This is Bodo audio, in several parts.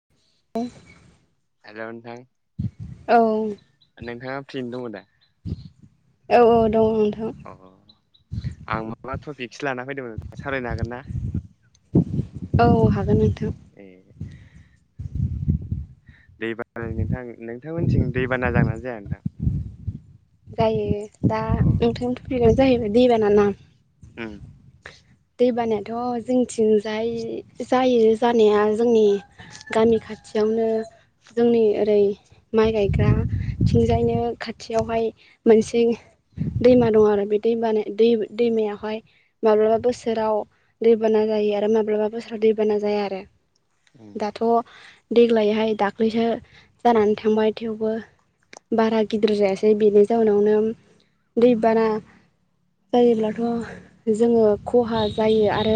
[inaudible] हेलौ नोंथां औ नोंथाङा प्रियैनो दङ दा? औ औ दं नोंथां अ अ आं माबा टपिकसो लाना फैदोंमोन सावरायनो हागोन ना? औ हागोन नोंथां ए दैबाना नोंथां नोंथांमोनथिं दैबाना जागानो जाया नोंथां? [inaudible] जायो दा अ नोंथांनि थुफिखगा जाहैबाय दैबाना ना? उम दैबानायाथ' जोंथिंजाय जायो जानाया जोंनि गामि खाथियावनो जोंनि ओरै माइ गायग्राथिंजायनो खाथियावहाय मोनसे दैमा दं आरो बे दैमा दै दैमायावहाय माब्लाबा बोसोराव दैबाना जायो आरो माब्लाबा बोसोराव दैबाना जाया आरो। उम दाथ' देग्लायहाय दाख्लैसो जानानै थांबाय थेवबो बारा गिदिर जायासै बेनि जाउनावनो दै बाना जायोब्लाथ' जोङो खहा जायो आरो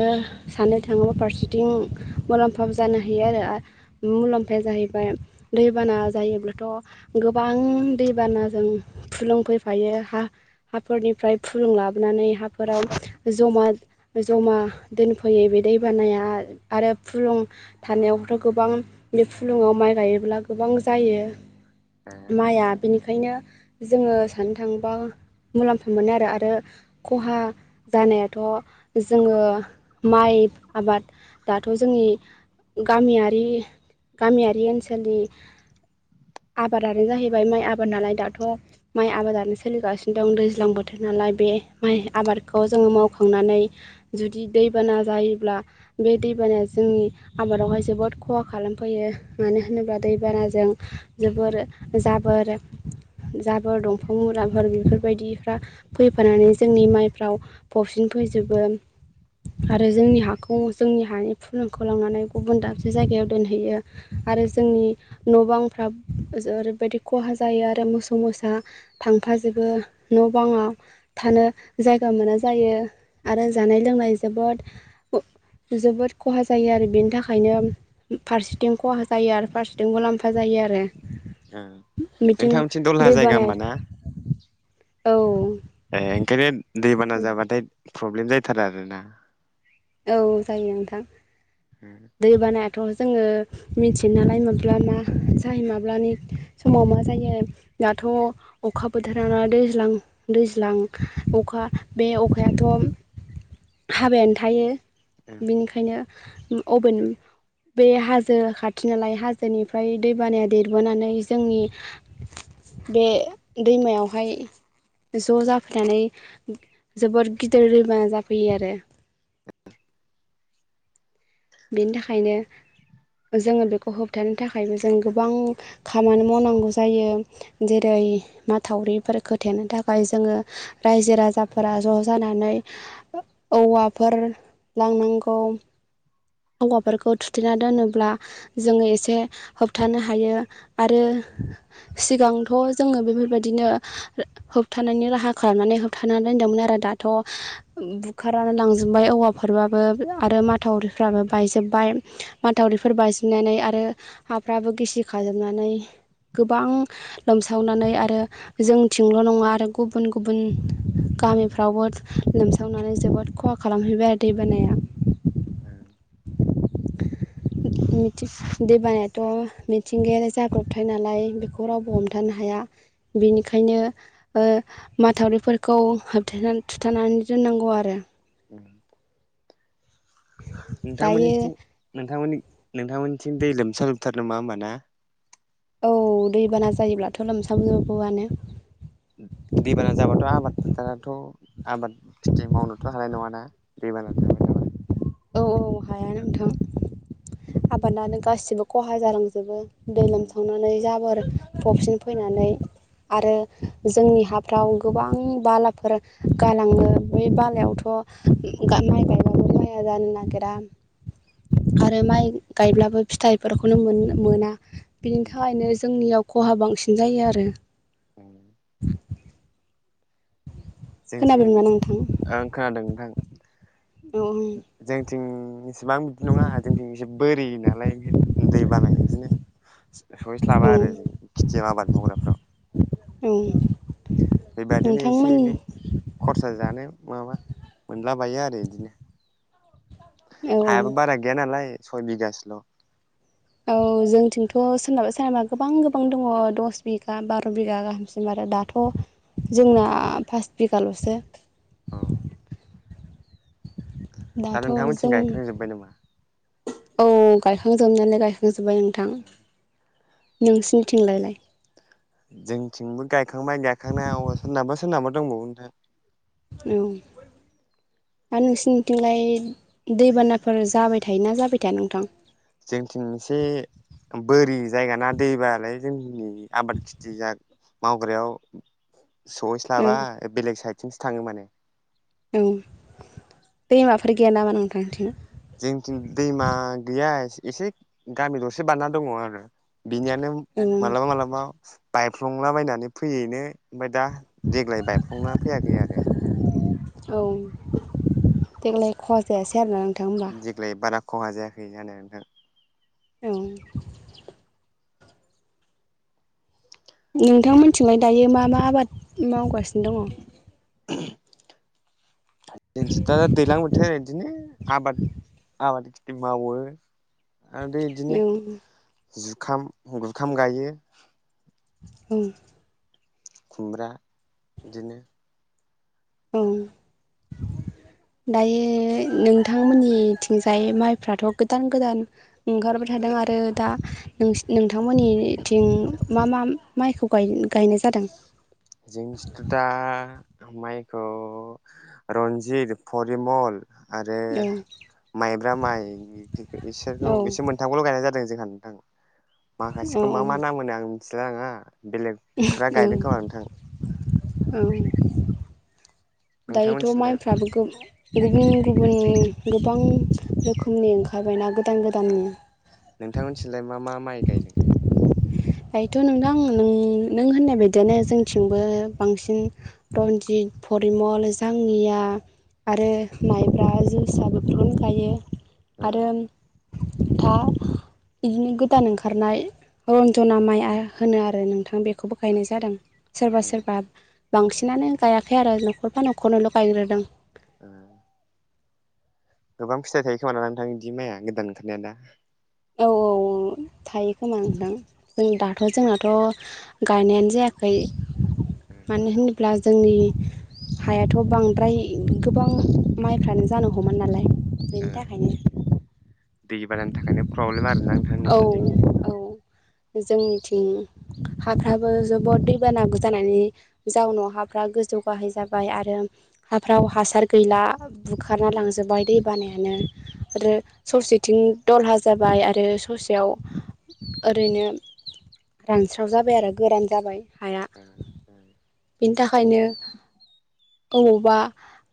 साननो थाङोब्ला फारसेथिं मुलाम्फाबो जानो हायो आ मुलाम्फाया जाहैबाय दैबाना जायोब्लाथ' गोबां दैबानाजों फुलुं फैफायो हा-हाफोरनिफ्राय फुलुं लाबोनानै हाफोराव जमा जमा दोनफैयो बे दैबानाया आरो फुलुं थानायावबोथ' गोबां बे फुलुङाव माइ गायोब्ला गोबां जायो ए माइआ बेनिखायनो जोङो सानोनो थांबा मुलाम्फा मोनोआरो आरो खहा जानायाथ' जोङो माइ आबाद। दाथ' जोंनि गामियारि गामियारि ओनसोलनि आबादानो जाहैबाय माइ आबाद नालाय दाथ' माइ आबादानो सोलिगासिनो दं दैज्लां बोथोर नालाय बे माइ उम आबाद। खौ जोङो मावखांनानै जुदि दैबाना जायोब्ला बे दैबानाया जोंनि आबादावहाय जोबोद खहा खालामफैयो मानो होनोब्ला दैबानाजों जोबोर जाबोर जाबोर दंफां मुराफोर बेफोरबायदिफ्रा फैफानानै जोंनि माइफ्राव फबसिन फैजोबो। आरो जोंनि हाखौ जोंनि हानि फुलुंखौ लांनानै गुबुन दाबसे जायगायाव दोनहैयो। आरो उम जोंनि न' बांफ्रा ओरैबायदि खहा जायो आरो मोसौ मोसा दा थांफाजोबो न' बाङाव थानो जायगा मोना जायो आरो जानाय लोंनाय जोबोद जोबोद खहा जायो आरो बेनि थाखायनो। फारसेथिं खहा जायो आरो फारसेथिंमुलाम्फा जायो आरो। ओ बिथिं नोंथां मोनथिं दलहा जायगा होमबा ना? दैबानाया औ ए ओंखायनो दैबाना जाबाथाय प्रब्लेम जाथारा आरो ना। औ जायो नोंथां। उम दै बानायाथ' जोङो। मिथि नालाय मोनला ना जाय माब्लानि समाव मा जायो दाथ' अखा बोथोराव दैज्लां दैज्लां अखा बे अखायाथ' हाबायानो थायो उम बिनिखायनो अभेन बे हाजो खाथि नालाय हाजोनिफ्राय दैबानाया देरबोनानै जोंनि बे दैमायावहाय ज' जाफैनानै जोबोर गिदिर दैमा जाफैयो आरो। बेनि थाखायनो जोङो बेखौ होबथानो थाखायबो जों गोबां खामानि मावनांगौ जायो जेरै माथावरिफोरखो थेनो थाखाय जोङो। रायजो राजाफोरा ज' जानानै औवाफोर लांनांगौ। औवाफोरखौ थुथेना दोनोब्ला जोङो एसे होबथानो हायो। आरो सिगांथ' जोङो बेफोरबायदिनो होबथानायनि राहा खालामनानै होबथानानै दोनदोंमोन आरो दाथ' बुखारानो लांजोबबाय औवाफोरबाबो आरो माथाव फ्राबो बायजोबबाय माथावरिफोर बायजोबनानै आरो हाफ्राबो गिसि खाजोबनानै गोबां लोमसावनानै आरो जोंथिंल' नङा आरो गुबुन गुबुन गामिफ्रावबो लोमसावनानै उम जोबोद खहा खालामहैबाय आरो दैबानाया। उम। दैबानायाथ' मिथिंगायारि जाब्रबथाय नालाय बेखौ बेखौ रावबो उम हमथानो हाया बेनिखायनो ओ माथावरिफोरखौ होबथेनानै थुथानानै दोननांगौ आरो‌ उम दायो नोंथांमोननिथिं नोंथांमोननि नोंथांमोननिथिं दै लोमसाव जोबथारो नामा होमबा ना? औ दैबाना जायोब्लाथ' लोमसावजोबोआनो। दैबाना जाबाथ' आबाद फोथाराथ' आबाद खिथि मावनोथ' हानाय नङा ना दैबाना थाबाय थाबा। औ औ हाया नोंथां आबादानो गासिबो खहा जालांजोबो। दै लोमसावनानै जाबोर फबसिन फैनानै आरो जोंनि हा थाव गोबां बालाफोर गालाङो बै बालायावथ' माइ गायबाबो [unintelligible] नागिरा आरो माइ गायब्लाबो फिथाइफोरखौनो मोना-मोना। बिनि थाखायनो जोंनियाव खहा बांसिन जायो आरो। उम‌ जोंथिं खोनाबायना नोंथां ओं खोनादों नोंथां। उम। जोंथिं इसेबां बिदि नङा जोंथिं एसे बोरि नालाय दैै बानाय इदिनो औ सहैस्लाबा आरो जों खेथियाव आबाद मावग्राफोराव। उम। बेबादिनो एसे एनै खरसा जानो माबा मोनलाबायो आरो इदिनो। औ हायाबो बारा गैया नालाय सय बिगासोल'। औ जोंथिंथ' सोरनाबा सोरनाबा गोबां गोबां दङ दस बिगा बार' बिगा गाहाम दं आरो दाथ' जोंना फास बिगाल'सो। औ। दा दाथ' नोंथांमोनथिं जों गायखांजोब्बाय नामा औ गायखांजोबनायालाय गायखांजोब्बाय नोंथां। नोंसिनि थिंलायलाय? जोंथिंबो गायखांबाय गायखांनाय सोरनाबा सोरनाबा दंबावो नोंथां। उम हा नोंसिनिथिंलाय दैबानाफोर जाबाय थायोना जाबाय थाया नोंथां? जोंथिं एसे बोरि जायगाना दैबालाय जोंनि आबाद खिथि जा मावग्रायाव औ सहैस्लाबा ओ बेलेग साइडथिमो थाङो माने। औ दैमाफोर गैया नामा नोंथांथिं? जोंथिं दैमा गैया एसे गामि दसो बारना दङ आरो। बिनियानो औ मालाबा मालाबा बायफ्लंलाबायनानै फैयैनो ओमफ्राय दा देग्लाय बायफ्लंना फैयाखै आरो। औ देग्लाय खहा जायासै आरोना होमबा देग्लाय बारा खहा जायाखै जानाय नोंथां। उम। नोंथांमोनथिंलाय दायो मा मा आबाद मावगासिनो दङ? [inaudible] दिन्थि दा दैलां बोथोर आरो बिदिनो आबाद आबाद खि थि मावो। आरो इदिनो औ जुखाम जुखाम गायो उम खुमब्रा इदिनो उम दायो नोंथांमोननिथिंजाय माइफ्राथ' गोदान गोदान ओंखारबाय थादों आरो दा नों नोंथांमोननिथिं मा मा माइखौ गायनाय जादों? जोंथिंथ' दा माइखौ रनजित, फरिमल आरो औ माइब्रा माइ औ बिसोरखौ एसे मोन थांखौल' गायनाय जादों जोंहा नोंथां। औ माखासेखौ मा मा नाम मोनो आं मिथिलाय लाङा बेलेग खुरा गायदों खोमा नोंथां। उम। दायोथ' नोंथांमोनथिंलाय माइफ्राबो गोबां गुबुन गुबुन गोबां रोखोमनि ओंखाम फायबायना गोदान गोदाननि नोंथांमोनथिलाय मा मा माइ गायदों। दायोथ' नोंथां नों नों होननाय बायदियानो जोंथिंबो बांसिन रनजित परिमल जाङिया आरो माइब्रा जोसा बेफोरखौनो गायो आरो दा इदिनो गोदान ओंखारनाय जनामाइया होनो आरो नोंथां बेखौबो गायनाय जादों सोरबा सोरबा बांसिनानो गायाखै आरो नखरफा नखरनैल' गायग्रोदों ओ गोबां फिथाइ थायो खोमाना नोंथां बिदि माया गोदान ओंखारनाया दा औ औ थायो खोमा नोंथां जों दाथ' जोंनाथ' गायनायानो जायाखै मानो होनोब्ला जोंनि हायाथ' बांद्राय गोबां माइफ्रानो जानो हमा नालाय ओ बेनि थाखायनो दै बानायनो थाखायनो प्रब्लेम आरोना नोंथां औ नोंसिनिथिं औ जोंनिथिं हाफ्राबो जोबोद दैबानाबो जानानै जाउनाव हाफ्रा गोजौ गाहाय जाबाय आरो हाफ्राव हासार गैला बुखारना लांजोब्बाय दै बानायानो आरो ससेथिं दलहा जाबाय आरो ससेयाव ओरैनो रानस्राव जाबाय आरो गोरान जाबाय हाया बेनि थाखायनो अबावबा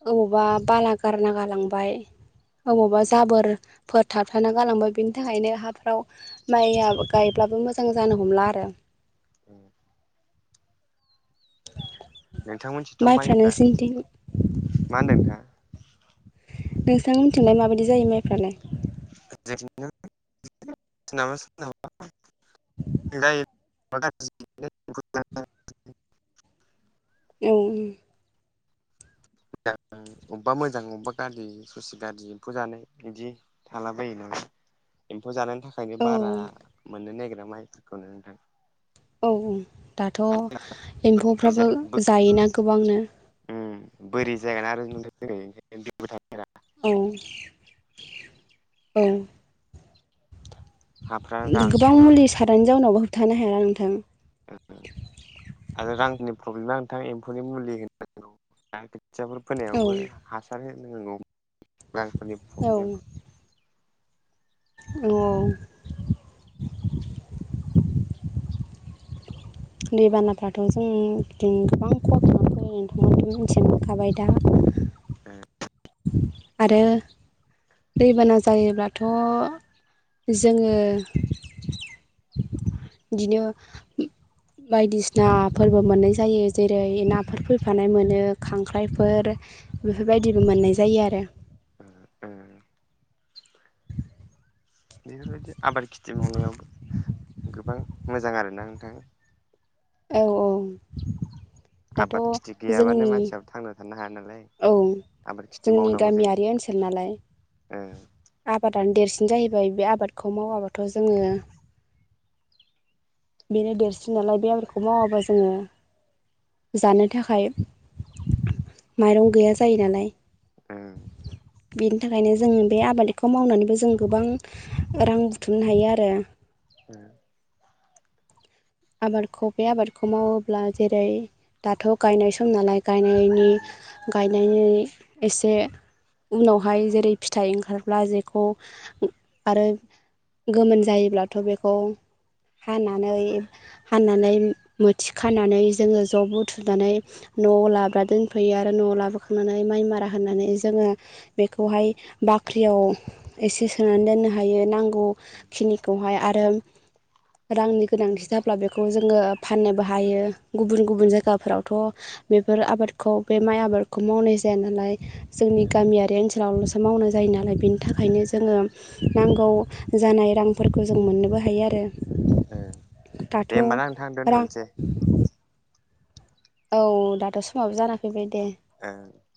अबावबा बाला गारना गालांबाय अबावबा नोंथांमोनथिथ' जाबोरफोर थाबथाना गालांबाय बिनि थाखायनो हाफ्राव माइया गायब्लाबो मोजां जानो हमला आरो उम नोंथांमोनथिंथ' माइफ्रा मा होनदों नोंथाङा नोंथां मोनथिंलाय माबायदि जायो माइफ्रालाय सोरनाबा सोरनाबा जायो [unintelligible] [unintelligible] उम दा जों [unintelligible] अबेबा मोजां अबेबा गाज्रि ससे गाज्रि एम्फौ जानाय बिदि थाला बायो ना एम्फौ जानायनि थाखायनो औ बारा मोननो नागिरा माइफोरखौनो नोंथां औ औ दाथ' एम्फौफ्राबो जायोना गोबांनो ओम बोरै जायान आरो नुथ जैंखायनो था औ औ हाफ्रा गोबां रानसावना मुलि सारनायनि जाउनावबो होबथानो हायाना नोंथां अ ओ आरो रांनि प्रब्लेमा नोंथां एम्फौनि मुलि होनांगौ ना खोथियाफोर औ फोनायावबो हासार होनांगौ रांफोरनि प्रब्लेम औ औ दैबानाफ्राथ' जों बिदिनो गोबां खहा खालाम फैयो नोंथाङाथ' मिथिनो मोनखाबाय दा ओम आरो दैबाना जायोब्लाथ' जोङो बिदिनो बायदिसिना फोरबो मोननाय जायो जेरै नाफोर फैफानाय मोनो खांख्राइफोर बेफोरबायदिबो मोननाय जायो आरो बेफोरबायदि आबाद खिथि मावनायावबो गोबां मोजां आरोना नोंथां औ औ दाथ' आबाद खेथि गैयाबानो जोंनि मानसियाबो थांना थानो हाया नालाय औ आबाद खिथि जोंनि मावनांगौ जायो गामियारि ओनसोल नालाय ओं आबादानो देरसिन जाहैबाय बे आबादखौ मावाबाथ' जोङो बेनो देरसिन नालाय बे आबादखौ मावाबा जोङो जानो थाखाय माइरं गैया जायो नालाय ओम बेनि थाखायनो जोंङो बे आबादखौ मावनानैबो जों गोबां रां बुथुमनो हायो आरो ओ आबादखौ बे आबादखौ मावोब्ला जेरै दाथ' गायनाय सम नालाय गायनाय नि ओं गायनायनि एसे उनावहाय जेरै फिथाइ ओंखारब्ला जेखौ आरो गोमोन जायोब्लाथ' बेखौ हानानै हाननानै मोथि खानानै जोङो ज' बुथुनानै न'आव लाब्रा दोनफैयो आरो न'आव लाबोखांनानै माइ मारा होननानै जोङो बेखौहाय बाख्रियाव एसे सोनानै दोननो हायो नांगौ खिनिखौय आरो रांनि गोनांथि जा ब्ला बेखौ जोङो फाननोबो हायो गुबुन गुबुन ओं जायगाफोरावथ' बेफोर आबादखौ बे माइ आबादखौ मावनाय जाया नालाय जोंनि ओं गामियारि ओनसोलावल'सो मावनाय जायो नालाय बेनि थाखायनो जोङो ओं नांगौ जानाय रांफोरखौ जों मोननोबो हायो आरो ओं दाथ' दे होमबा ना नोंथां रां दोनथ'नोसै औ दाथ' समाबो जाना फैबाय दे ओं